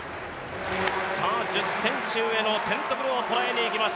１０ｃｍ上のテントグルを捉えにいきます。